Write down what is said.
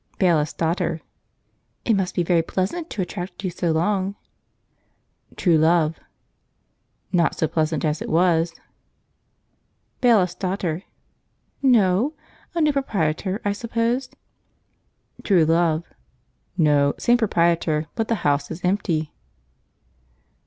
Bailiff's Daughter. "It must be very pleasant to attract you so long." True Love. "Not so pleasant as it was." Bailiff's Daughter. "No? A new proprietor, I suppose." True Love. "No; same proprietor; but the house is empty."